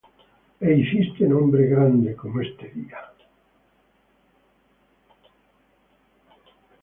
é hicíste nombre grande, como este día.